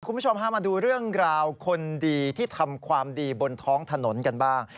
คุณผู้ชมพามาดูเรื่องราวคนดีที่ทำความดีบนท้องถนนกันบ้าง